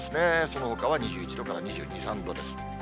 そのほかは２１度から２２、３度です。